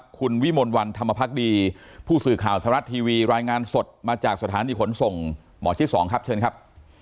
คุณวิมลวันธรรมพักดีผู้สื่อข่าวธรรมรัฐทีวีรายงานสดมาจากสถานีขนส่งหมอชิด๒ครับเชิญครับ